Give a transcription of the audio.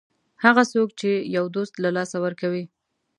هغه څوک چې یو دوست له لاسه ورکوي.